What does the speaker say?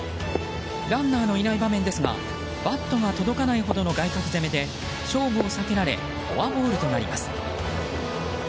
ランナーのいない場面ですがバットが届かないほどの外角攻めで勝負を避けられフォアボールとなります。